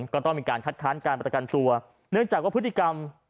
ก็ต้องมีการคัดค้านการประกันตัวเนื่องจากว่าพฤติกรรม